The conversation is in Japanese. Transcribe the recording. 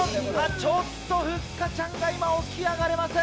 ちょっと、ふっかちゃんが今、起き上がれません。